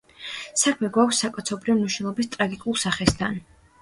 საქმე გვაქვს საკაცობრიო მნიშვნელობის ტრაგიკულ სახესთან.